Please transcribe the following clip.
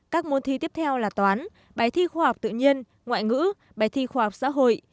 các môn thi tiếp theo là toán bài thi khoa học tự nhiên ngoại ngữ bài thi khoa học xã hội